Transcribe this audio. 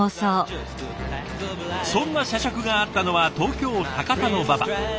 そんな社食があったのは東京・高田馬場。